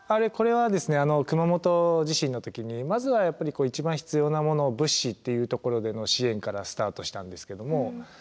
これはですね熊本地震の時にまずはやっぱり一番必要なものは物資っていうところでの支援からスタートしたんですけども。